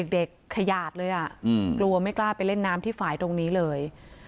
ขยาดเลยกลัวไม่กล้าไปเล่นน้ำที่ฝ่ายตรงนี้เลย